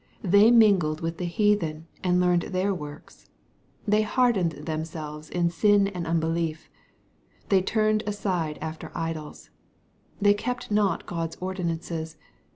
(^ They mingled with the heathen, and learned their works.'N They hardened themselves in sin and unbelief They turned aside after idols. They kept not God's ordinances.